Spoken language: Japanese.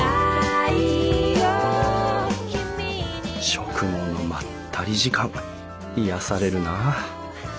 食後のまったり時間癒やされるな。